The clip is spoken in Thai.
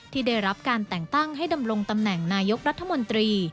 ที่ได้รับการแต่งตั้งให้ดำรงตำแหน่งนายกรัฐมนตรี